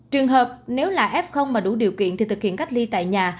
trường hợp nếu là f mà đủ điều kiện thì thực hiện cách ly tại nhà